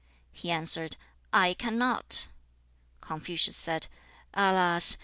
He answered, 'I cannot.' Confucius said, 'Alas!